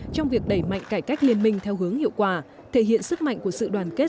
trong việc đẩy mạnh cải cách liên minh theo hướng hiệu quả thể hiện sức mạnh của sự đoàn kết